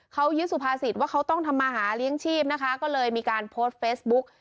เขายึดสุภาษิตว่าเขาต้องทำมาหาเลี้ยงชีพนะคะก็เลยมีการโพสต์เฟซบุ๊ก